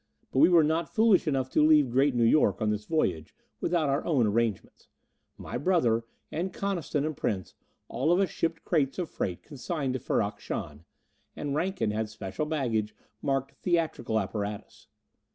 But we were not foolish enough to leave Great New York on this voyage without our own arrangements. My brother, and Coniston and Prince all of us shipped crates of freight consigned to Ferrok Shahn and Rankin had special baggage marked 'theatrical apparatus.'"